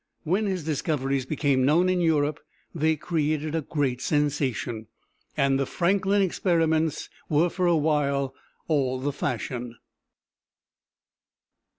When his discoveries became known in Europe, they created a great sensation, and the "Franklin experiments" were for a while all the fashion.